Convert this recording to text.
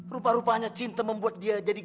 rupa rupanya cinta membuat dia jadi